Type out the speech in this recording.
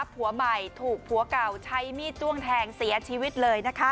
ผัวใหม่ถูกผัวเก่าใช้มีดจ้วงแทงเสียชีวิตเลยนะคะ